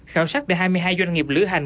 khảo sát để hai mươi hai doanh nghiệp lưỡi hành